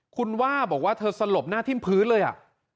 คุณว่าบอกว่าเธอสลบหน้าทิ้มพื้นเลยอ่ะ